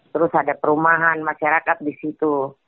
terus ada perumahan masyarakat disitu